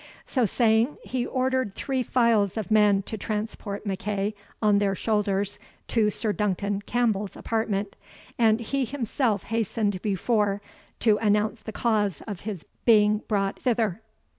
So saying, he ordered three files of men to transport MacEagh on their shoulders to Sir Duncan Campbell's apartment, and he himself hastened before to announce the cause of his being brought thither.